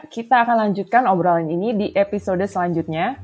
kita akan lanjutkan obrolan ini di episode selanjutnya